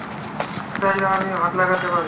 চাইলে আমিও হাত লাগাতে পারি।